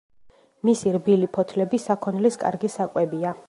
მისი რბილი ფოთლები საქონლის კარგი საკვებია.